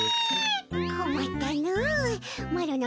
こまったの。